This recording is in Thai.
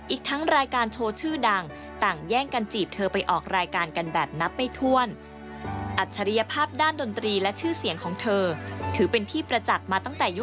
อีกทั้งรายการโชว์ชื่อดัง